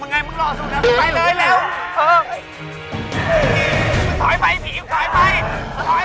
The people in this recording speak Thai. มึงคนงั้นก็ไม่เป็นไรอ่ะพี่